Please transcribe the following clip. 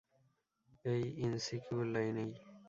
এই ইনসিকিউর লাইনেই।